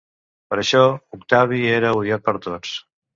Per això, Octavi era odiat per tots.